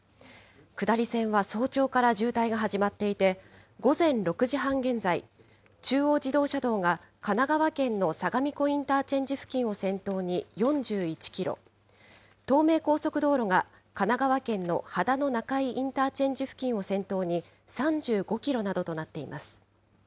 下り線は早朝から渋滞が始まっていて、午前６時半現在、中央自動車道が神奈川県の相模湖インターチェンジ付近を先頭に４１キロ、東名高速道路が神奈川県の秦野中井インターチェンジ付近を先頭に３５キロなどとなっています。